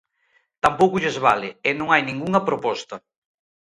Tampouco lles vale, e non hai ningunha proposta.